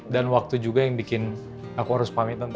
dan waktu juga yang bikin aku harus pamit tante